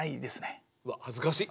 うわはずかしい。